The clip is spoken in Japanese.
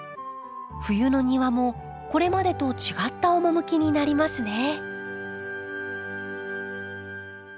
冬の庭もこれまでと違った趣になりますね。